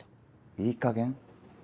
いいかげん？